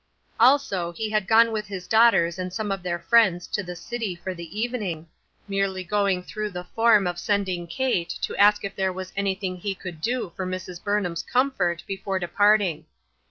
Also, he had gone with his daughters and some of their friends to the city for the evening, merely going through the form of sending Kate to ask if there was anything he could do for Mrs. Burnham's com fort before departing.